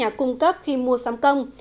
và các nhà cung cấp khi mua sắm công